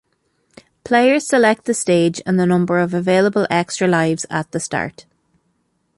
Players select the stage and the number of available extra lives at the start.